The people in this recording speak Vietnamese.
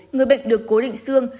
người bệnh được cố định xương